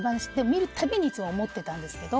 見る度にいつも思ってたんですけど。